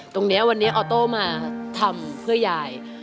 ตรงนี้วันนี้ออโต้มาทำเพื่อยาย